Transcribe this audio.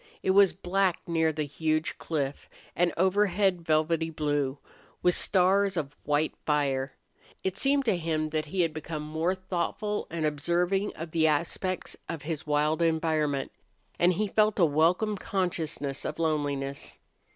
It was black near the huge cliff, and overhead velvety blue, with stars of white fire. It seemed to him that he had become more thoughtful and observing of the aspects of his wild environment, and he felt a welcome consciousness of loneliness.